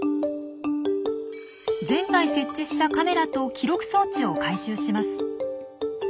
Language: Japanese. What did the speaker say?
前回設置したカメラと記録装置を回収します。